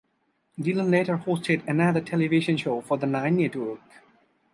Dillon later hosted another television show for the Nine network.